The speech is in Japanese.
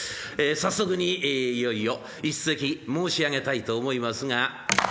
早速にいよいよ一席申し上げたいと思いますが。